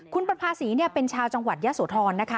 คุณประภาษีเป็นชาวจังหวัดยะโสธรนะคะ